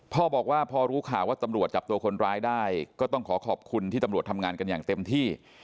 พ่อบอกว่าพอรู้ข่าวว่าตำรวจจับตัวคนร้ายได้ก็ต้องขอขอบคุณที่ตำรวจทำงานกันอย่างเต็มที่